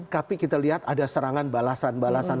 tapi kita lihat ada serangan balasan balasan